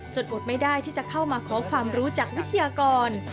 อดไม่ได้ที่จะเข้ามาขอความรู้จากวิทยากร